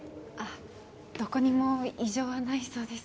どこにも異常はないそうです。